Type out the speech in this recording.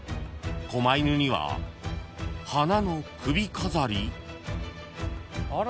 ［こま犬には花の首飾り！？］